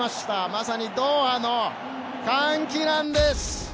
まさにドーハの歓喜なんです！